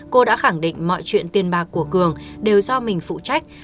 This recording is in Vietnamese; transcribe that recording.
cô đã khẳng định mọi chuyện tiền bạc của cường đều do mình phụ trách